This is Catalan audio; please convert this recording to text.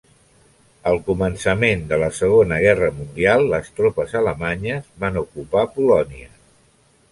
Al començament de la Segona Guerra Mundial, les tropes alemanyes van ocupar Polònia.